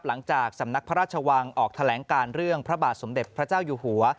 สำนักพระราชวังออกแถลงการเรื่องพระบาทสมเด็จพระเจ้าอยู่หัว